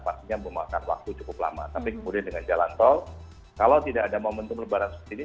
pastinya memakan waktu cukup lama tapi kemudian dengan jalan tol kalau tidak ada momentum lebaran seperti ini